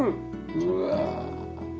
うわ。